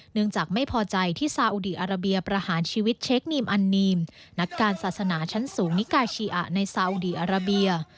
จากไม่พอใจที่ซาอุดีอาราเบียประหารชีวิตเชคนีมอันนีมนักการศาสนาชั้นสูงนิกาชีอะในซาอุดีอาราเบีย